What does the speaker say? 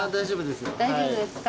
大丈夫ですか？